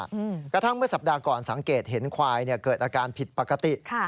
กระทั่งเมื่อสัปดาห์ก่อนสังเกตเห็นควายเนี่ยเกิดอาการผิดปกติค่ะ